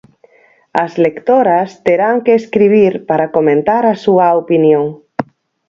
As lectoras terán que escribir para comentar a súa opinión.